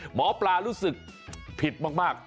หมอปลารู้สึกผิดมาก